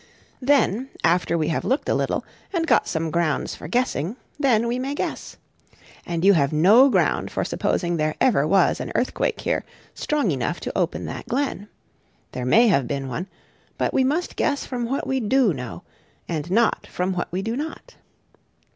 Then, after we have looked a little, and got some grounds for guessing, then we may guess. And you have no ground for supposing there ever was an earthquake here strong enough to open that glen. There may have been one: but we must guess from what we do know, and not from what we do not.